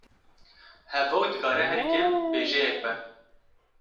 Hevok dikare herî kêm bêjeyek be